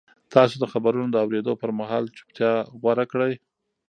تاسو د خبرونو د اورېدو پر مهال چوپتیا غوره کړئ.